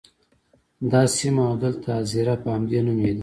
دا سیمه او دلته اَذيره په همدې نوم یادیږي.